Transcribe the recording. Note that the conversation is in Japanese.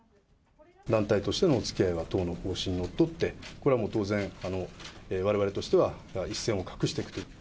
団体としてのおつきあいは、党の方針にのっとって、これはもう当然、われわれとしては一線を画していくという。